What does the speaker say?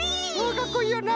かっこいいよな。